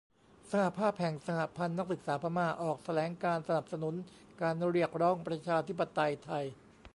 สหภาพแห่งสหพันธ์นักศึกษาพม่า ออกแถลงการณ์สนับสนุนการเรียกร้องประชาธิปไตยไทย